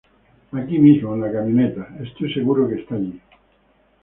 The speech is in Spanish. Aquí mismo en la camioneta. Estoy seguro que está allí.